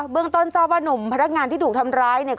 เบื้องต้นสร้อบหนุ่มพนักงานที่ถูกทำร้ายเนี้ย